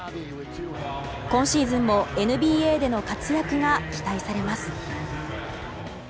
今シーズンもＮＢＡでの活躍が期待されます。